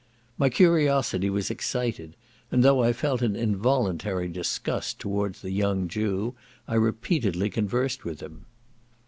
My curiosity was excited, and though I felt an involuntary disgust towards the young Jew, I repeatedly conversed with him.